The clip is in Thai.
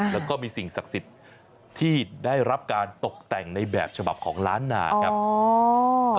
แล้วก็มีสิ่งศักดิ์สิทธิ์ที่ได้รับการตกแต่งในแบบฉบับของล้านนาครับ